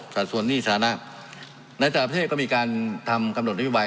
สัดส่วนหนี้สถานะในต่างประเทศก็มีการทำกำหนดนโยบาย